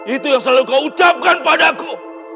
itu yang selalu kau ucapkan pada aku